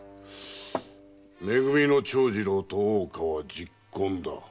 め組の長次郎と大岡は昵懇だ。